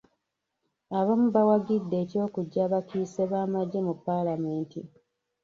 Abamu bawagidde eky’okuggya abakiise b’amajje mu palamenti.